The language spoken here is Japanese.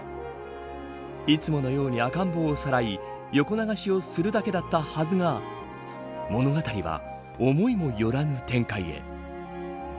いつものように赤ん坊をさらい横流しをするだけだったはずが物語は思いもよらぬ展開へ。